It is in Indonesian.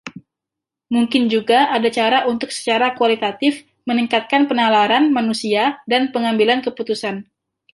Mungkin juga ada cara untuk "secara kualitatif" meningkatkan penalaran manusia dan pengambilan keputusan.